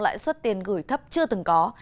loại suất tiền gửi thấp chưa từng có